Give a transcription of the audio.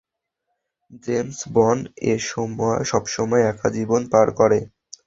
James Bond সবসময় একা জীবন পার করে।